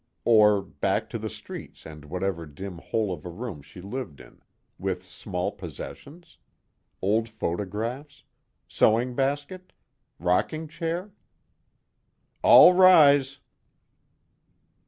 Or back to the streets and whatever dim hole of a room she lived in with small possessions? Old photographs? Sewing basket? Rocking chair? "All rise!"